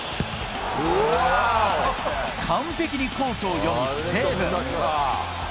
完璧にコースを読み、セーブ。